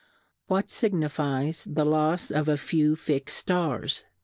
What fignlfies the lofs of a few fix'd Stars